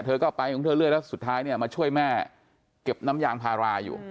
เธอก็ไปของเธอเรื่อยแล้วสุดท้ายเนี่ยมาช่วยแม่เก็บน้ำยางพาราอยู่